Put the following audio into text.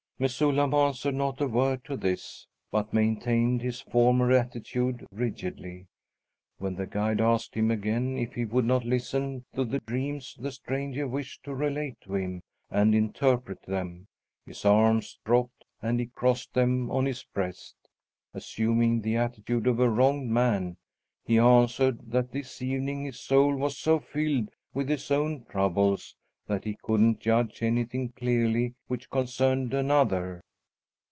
Mesullam answered not a word to this, but maintained his former attitude rigidly. When the guide asked him again if he would not listen to the dreams the stranger wished to relate to him and interpret them, his arms dropped and he crossed them on his breast. Assuming the attitude of a wronged man, he answered that this evening his soul was so filled with his own troubles that he couldn't judge anything clearly which concerned another.